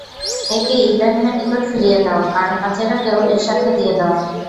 একে ইবরাহীমের নিকট ফিরিয়ে দাও আর হাজেরাকেও এর সাথে দিয়ে দাও।